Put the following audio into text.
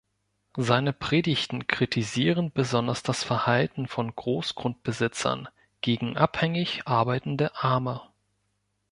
Seine Predigten kritisieren besonders das Verhalten von Großgrundbesitzern gegen abhängig arbeitende Arme.